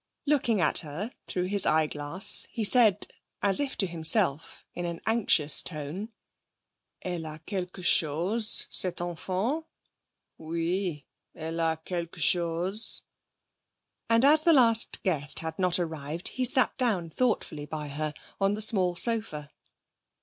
Looking at her through his eyeglass, he said, as if to himself, in an anxious tone: 'Elle a quelquechose, cette enfant; oui, elle a quelquechose,' and as the last guest had not arrived he sat down thoughtfully by her on the small sofa.